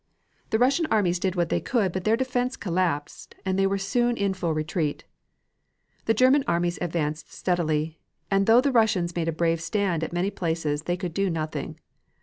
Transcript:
The Russian armies did what they could but their defense collapsed and they were soon in full retreat. The German armies advanced steadily, and though the Russians made a brave stand at many places they could do nothing.